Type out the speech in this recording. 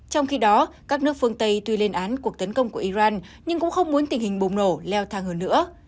trong khi đó các nước phương tây tuy lên án cuộc tấn công của iran nhưng cũng không muốn tình hình bùng nổ leo thang hơn nữa